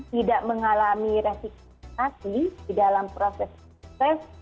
tidak mengalami resikopasi di dalam proses sukses